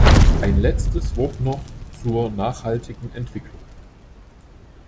Ein letztes Wort noch zur nachhaltigen Entwicklung.